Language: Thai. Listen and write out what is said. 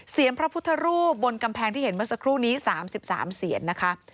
พระพุทธรูปบนกำแพงที่เห็นเมื่อสักครู่นี้๓๓เสียนนะคะ